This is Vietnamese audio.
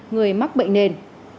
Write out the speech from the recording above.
người mắc bệnh nền